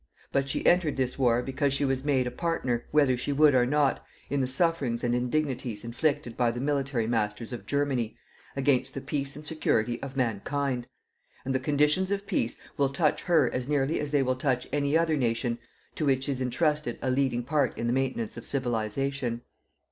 But she entered this war because she was made a partner, whether she would or not, in the sufferings and indignities inflicted by the military masters of Germany, against the peace and security of mankind; and the conditions of peace will touch her as nearly as they will touch any other nation to which is entrusted a leading part in the maintenance of civilization.